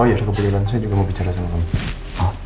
oh iya saya juga mau bicara sama bapak